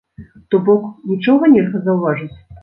То бок, нічога нельга заўважыць?